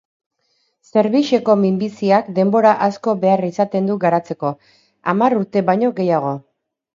Zerbixeko minbiziak denbora asko behar izaten du garatzeko, hamar urte baino gehiago.